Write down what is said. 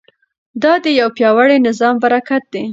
دا د یو پیاوړي نظام برکت دی.